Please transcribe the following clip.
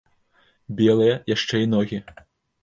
Белыя, яшчэ і ногі.